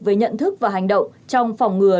về nhận thức và hành động trong phòng ngừa